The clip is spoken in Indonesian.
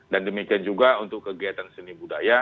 dan demikian juga untuk kegiatan seni budaya